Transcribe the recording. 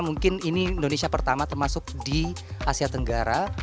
mungkin ini indonesia pertama termasuk di asia tenggara